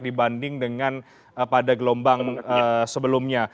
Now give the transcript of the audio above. dibanding pada gelombang sebelumnya